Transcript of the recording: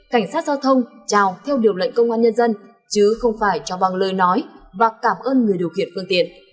không chào theo điều lệnh công an nhân dân chứ không phải cho bằng lời nói và cảm ơn người điều khiển phương tiện